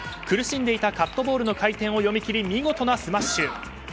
苦しんでいたカットボールの回転を読み切り見事なスマッシュ。